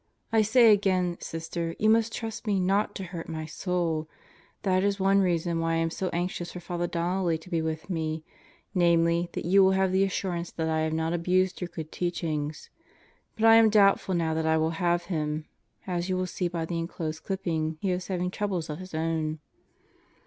I say again, Sister, you must trust me not to hurt my soul. That is one reason why I am so anxious for Father Donnelly to be with me; namely, that you will have the assurance that I have not abused your good teachings. But I am doubtful now that I will have him. As you will see by the enclosed clipping he is having troubles of his own.